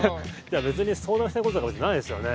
別に相談したいこととかないですよね？